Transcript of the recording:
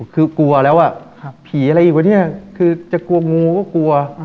คือกลัวแล้วอ่ะผีอะไรอีกวะเนี่ยคือจะกลัวงูก็กลัว